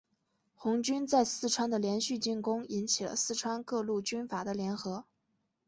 红军在四川的连续进攻引起了四川各路军阀的联合。